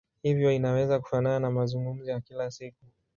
Hivyo inaweza kufanana na mazungumzo ya kila siku.